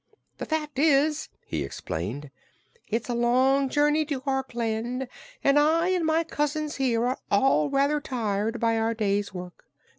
The fact is," he explained, "it's a long journey to Orkland and I and my cousins here are all rather tired by our day's work.